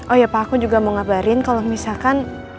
oh ya pak aku juga mau ngabarin kalau misalkan